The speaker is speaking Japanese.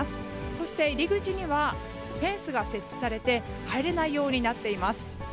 そして入り口には、フェンスが設置されて、入れないようになっています。